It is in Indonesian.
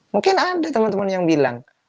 mungkin ada teman teman yang bilang